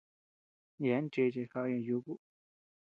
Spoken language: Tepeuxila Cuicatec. Yeaben chéche jaʼa ñee yuku.